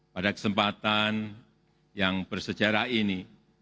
pada kesempatan yang bersejarah ini